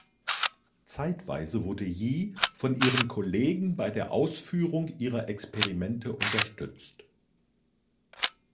Zeitweise wurde Yi von ihren Kollegen bei der Ausführung ihrer Experimente unterstützt.